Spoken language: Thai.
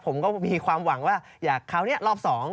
ผมก็มีความหวังว่าอยากคราวนี้รอบ๒